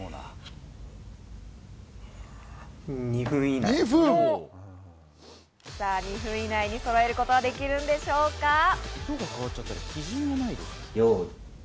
２分以内にそろえることはできるんでしょうか？